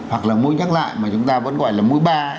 hoặc là mũi nhắc lại mà chúng ta vẫn gọi là mũi ba